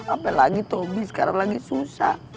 apalagi tobi sekarang lagi susah